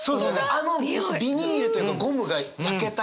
あのビニールというかゴムが焼けたにおい。